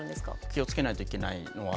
気をつけないといけないのはですね